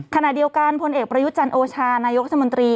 ขณะเดียวกันพลเอกประยุทธ์จันโอชานายกรัฐมนตรี